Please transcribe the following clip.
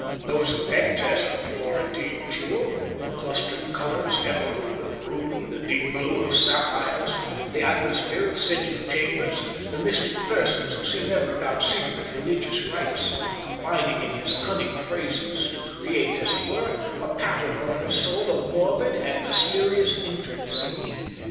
Those effects as of a Florentine jewel, the clustered colours, emerald and ruby, the deep blue of sapphires, the atmosphere of scented chambers, the mystic persons who seem ever about secret, religious rites, combined in his cunning phrases to create, as it were, a pattern on her soul of morbid and mysterious intricacy.